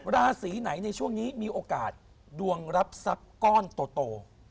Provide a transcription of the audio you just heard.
ราศีไหนในช่วงนี้มีโอกาสดวงรับทรัพย์ก้อนโต